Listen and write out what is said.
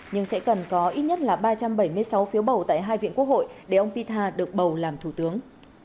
nhưng sẽ cần có ít nhất là ba trăm bảy mươi sáu phiếu bầu tại hai viện quốc hội để ông pita được bầu làm thủ tướng